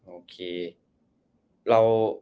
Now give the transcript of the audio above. โอเค